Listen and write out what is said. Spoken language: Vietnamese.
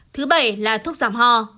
thứ bảy là thuốc giảm ho